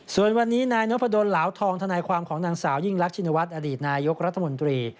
ส่วนวันนี้นายนพดลเหลาทองทนายความของนางสาวยิ่งรักชินวัฒน์อดีตนายกรัฐมนตรี